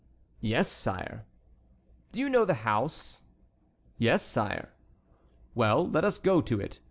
"Yes, sire." "Do you know the house?" "Yes, sire." "Well, let us go to it.